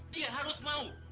dia harus mau